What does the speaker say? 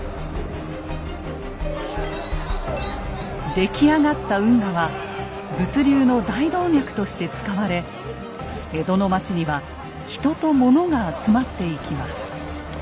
出来上がった運河は物流の大動脈として使われ江戸の町には人と物が集まっていきます。